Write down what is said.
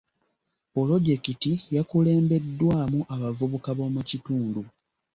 Pulojekiti yakulembeddwamu abavubuka b'omu kitundu.